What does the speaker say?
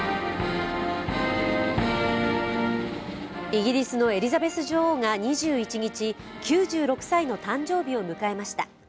イギリスのエリザベス女王が２１日、９６歳の誕生日を迎えました。